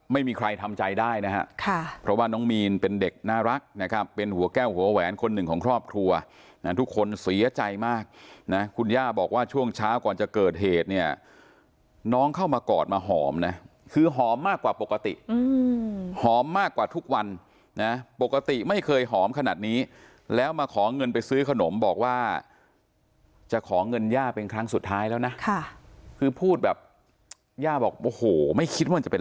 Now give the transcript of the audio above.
ไม่มีใครทำใจได้นะฮะค่ะเพราะว่าน้องมีนเป็นเด็กน่ารักนะครับเป็นหัวแก้วหัวแหวนคนหนึ่งของครอบครัวน่ะทุกคนเสียใจมากนะคุณย่าบอกว่าช่วงเช้าก่อนจะเกิดเหตุเนี้ยน้องเข้ามากอดมาหอมน่ะคือหอมมากกว่าปกติอืมหอมมากกว่าทุกวันนะปกติไม่เคยหอมขนาดนี้แล้วมาขอเงินไปซื้อขนมบอกว่าจะขอ